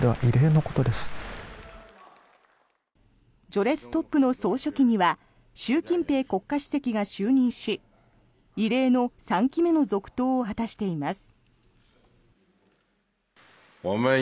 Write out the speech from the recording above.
序列トップの総書記には習近平国家主席が就任し異例の３期目の続投を果たしています。